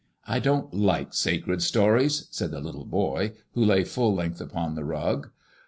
I don't like sacred stories," said the little boy, who lay full length upon the rug.